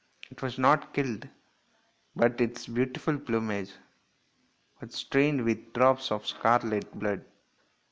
It was not killed, but its beautiful plumage was stained with drops of scarlet blood.